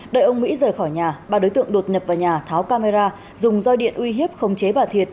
đợi ông mỹ rời khỏi nhà bà đối tượng đột nhập vào nhà tháo camera dùng doi điện uy hiếp không chế bà thiệt